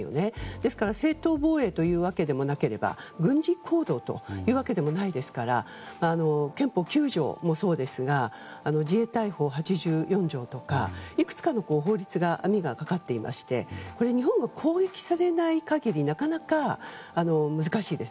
ですから、正当防衛でもなければ軍事行動というわけでもないので憲法９条もそうですが自衛隊法８４条とかいくつかの法律の網がかかっていまして日本が攻撃されない限りなかなか、難しいです。